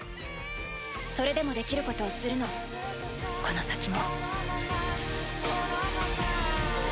それでもできることをするのこの先も。